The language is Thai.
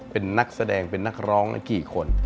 เป็นนักแสดงเป็นนักร้องกี่คน